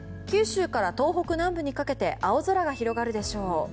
九州から東北南部にかけて青空が広がるでしょう。